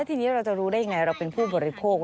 ทีนี้เราจะรู้ได้ยังไงเราเป็นผู้บริโภค